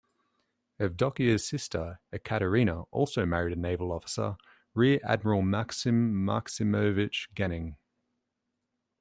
Evdokiya's sister Ekaterina also married a naval officer, Rear Admiral Maksim Maksimovich Genning.